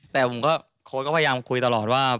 ท่านโค้ชก็พยายามคุยตลอดว่า